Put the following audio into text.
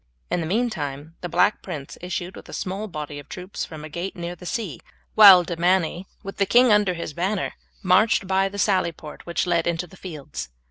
In the meantime the Black Prince issued with a small body of troops from a gate near the sea, while De Manny, with the king under his banner, marched by the sally port which led into the fields.